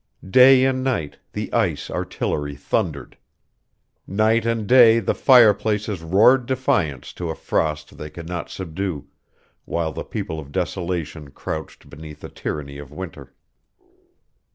Day and night the ice artillery thundered. Night and day the fireplaces roared defiance to a frost they could not subdue, while the people of desolation crouched beneath the tyranny of winter.